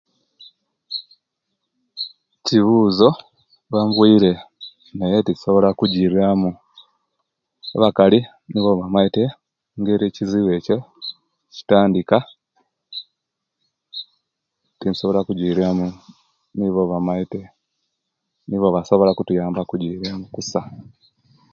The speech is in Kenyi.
Ekibuzo bambwire naye tinsobola okujiramu abakali nibo abamaite engeri ekizibu ekyo owekitandika tinsobola okujjiramu nibo abamaite nibo abasobola okutuyamba okujjiram okusa